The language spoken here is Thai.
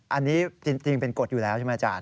อันนี้จริงเป็นกฎอยู่แล้วใช่ไหมอาจารย